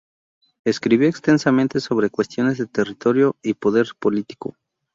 Escribió extensamente sobre cuestiones de territorio y poder político.